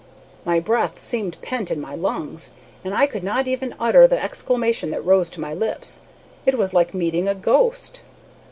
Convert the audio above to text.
"My breath seemed pent in my lungs, and I could not even utter the exclamation that rose to my lips. It was like meeting a ghost.